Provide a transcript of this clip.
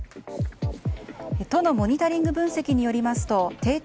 都のモニタリング分析によりますと定点